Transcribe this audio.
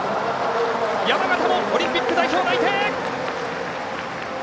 山縣もオリンピック代表内定！